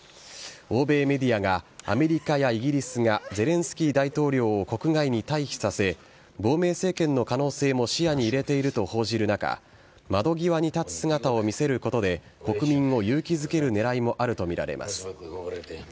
欧米メディアが、アメリカやイギリスがゼレンスキー大統領を国外に退避させ、亡命政権の可能性も視野に入れていると報じる中、窓際に立つ姿を見せることで、国民を勇気づけるねらいもあると見られます。